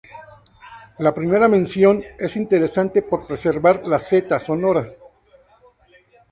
La primera mención es interesante por preservar la "-z-" sonora.